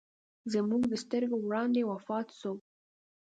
زموږ د سترګو وړاندې وفات سو.